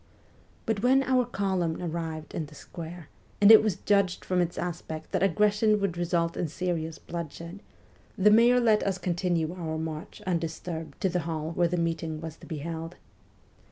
But when our column appeared in the square, and it was judged from its aspect that aggression would result in serious bloodshed, the mayor let us continue our march undis turbed to the hall where the meeting was to be held.